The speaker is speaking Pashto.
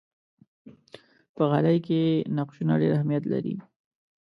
په غالۍ کې نقشونه ډېر اهمیت لري.